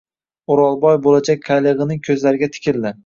O’rolboy bo‘lajak qaylig‘ining ko‘zlariga tikildi